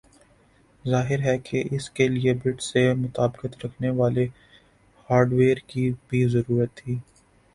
ظاہر ہے کہ اس کے لئے بٹ سے مطابقت رکھنے والے ہارڈویئر کی بھی ضرورت تھی